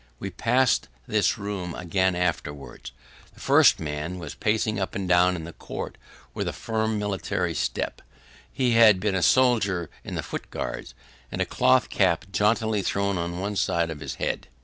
We passed this room again afterwards. The first man was pacing up and down the court with a firm military step he had been a soldier in the footguards and a cloth cap jauntily thrown on one side of his head.